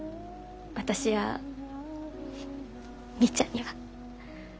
私やみーちゃんには。